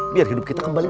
biar hidup kita kembali